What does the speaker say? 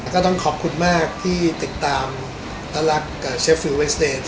ก็ต้องขอบคุณมากที่ติดตามต้อนรับเชฟฟิลเวสเตย์